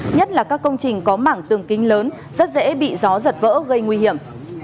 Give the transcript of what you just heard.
nhất là các công trình có mảng tường kính lớn rất dễ bị gió giật vỡ gây nguy hiểm